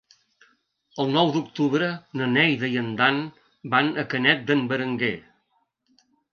El nou d'octubre na Neida i en Dan van a Canet d'en Berenguer.